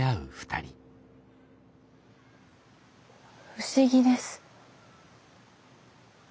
不思議です。